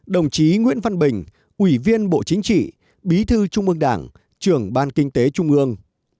đồng chí nguyễn văn bình ủy viên bộ chính trị bí thư trung ương đảng trưởng ban kinh tế trung ương